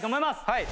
はい。